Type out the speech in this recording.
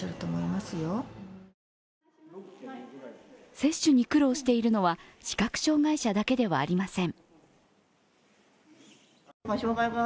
接種に苦労しているのは視覚障害者だけではありません。